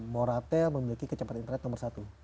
moratel memiliki kecepatan internet nomor satu